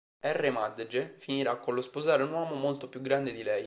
R Madge finirà con lo sposare un uomo molto più grande di lei.